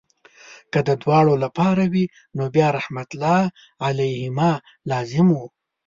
که د دواړو لپاره وي نو بیا رحمت الله علیهما لازم وو.